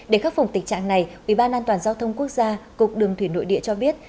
để khắc phục tình trạng này ủy ban an toàn giao thông quốc gia cục đường thủy nội địa cho biết